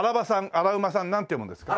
あら馬さん？なんて読むんですか？